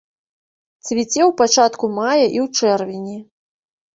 Цвіце ў пачатку мая і ў чэрвені.